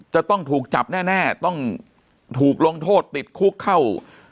จะต้องถูกจับแน่ต้องถูกลงโทษติดคุกเข้า